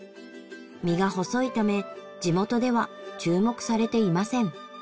身が細いため地元では注目されていません。